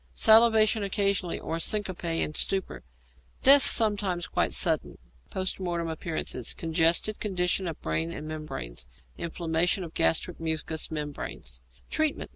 Salivation occasionally, or syncope and stupor. Death sometimes quite suddenly. Post Mortem Appearances. Congested condition of brain and membranes; inflammation of gastric mucous membrane. _Treatment.